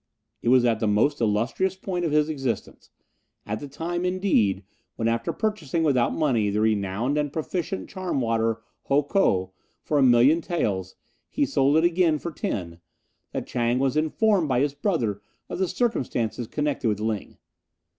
It was at the most illustrious point of his existence at the time, indeed, when after purchasing without money the renowned and proficient charm water Ho Ko for a million taels, he had sold it again for ten that Chang was informed by his brother of the circumstances connected with Ling.